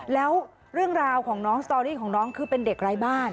แล้วเรื่องราวของน้องสตอรี่ของน้องคือเป็นเด็กไร้บ้าน